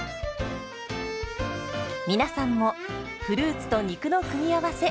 皆さんもフルーツと肉の組み合わせ